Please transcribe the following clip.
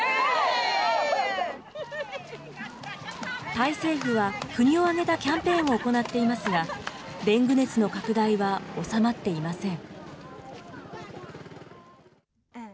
タイ政府は国を挙げたキャンペーンを行っていますが、デング熱の拡大は収まっていません。